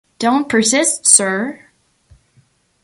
Don’t persist, sir!